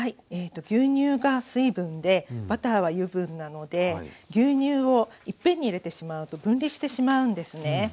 牛乳が水分でバターは油分なので牛乳をいっぺんに入れてしまうと分離してしまうんですね。